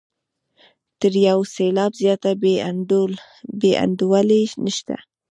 تر یو سېلاب زیاته بې انډولي نشته.